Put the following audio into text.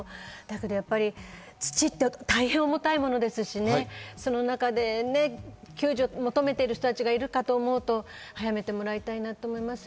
でもやっぱり土って大変重たいものですし、その中で救助を求めてる人たちがいるかと思うと早めてもらえないかなと思います。